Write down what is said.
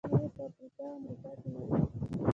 آیا په افریقا او امریکا کې نه دي؟